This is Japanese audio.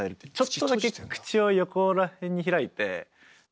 ちょっとだけ口を横ら辺に開いて。